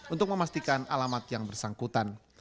untuk memastikan alamat yang bersangkutan